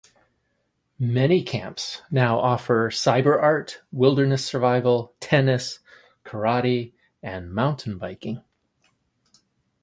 Many camps now offer cyber art, wilderness survival, tennis, karate, and mountain biking.